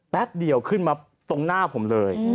แป๊บเดียวขึ้นมาตรงหน้าผมเลย